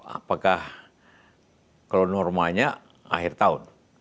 apakah kalau normanya akhir tahun